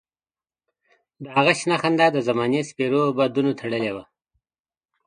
د هغه شنه خندا د زمانې سپېرو بادونو تروړلې وه.